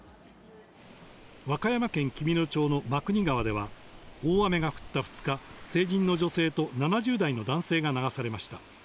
和歌山県紀美野町の真国川では、大雨が降った２日、成人の女性と７０代の男性が流されました。